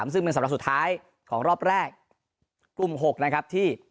ซึ่งเป็นสำหรับสุดท้ายของรอบแรกกลุ่ม๖นะครับที่